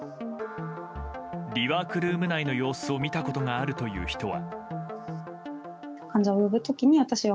リワークルーム内の様子を見たことがあるという人は。